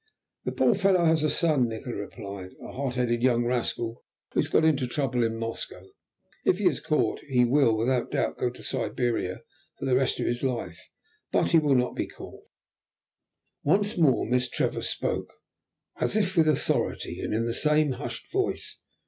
"The poor fellow has a son," Nikola replied; "a hot headed young rascal who has got into trouble in Moscow. If he is caught he will without doubt go to Siberia for the rest of his life. But he will not be caught." Once more Miss Trevor spoke as if with authority, and in the same hushed voice.